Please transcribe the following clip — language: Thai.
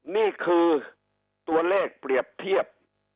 นี่คือตัวเลขเปรียบเทียบ